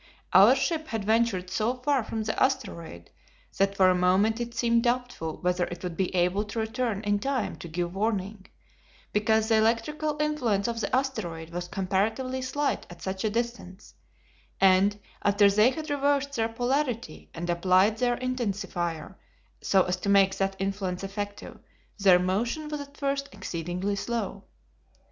Our ship had ventured so far from the asteroid that for a moment it seemed doubtful whether it would be able to return in time to give warning, because the electrical influence of the asteroid was comparatively slight at such a distance, and, after they had reversed their polarity, and applied their intensifier, so as to make that influence effective, their motion was at first exceedingly slow.